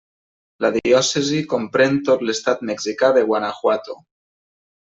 La diòcesi comprèn tot l'estat mexicà de Guanajuato.